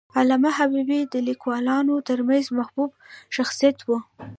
علامه حبیبي د لیکوالانو ترمنځ محبوب شخصیت و.